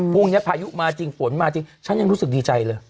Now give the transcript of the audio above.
พายุมาจริงฝนมาจริงฉันยังรู้สึกดีใจเลย